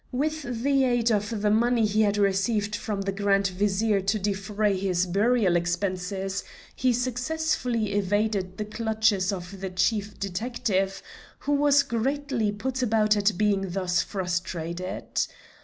With the aid of the money he had received from the Grand Vizier to defray his burial expenses he successfully evaded the clutches of the Chief Detective, who was greatly put about at being thus frustrated.